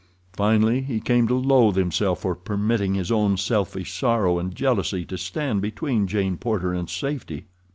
Finally he came to loathe himself for permitting his own selfish sorrow and jealousy to stand between Jane Porter and safety.